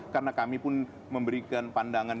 karena kami pun memberikan pandangan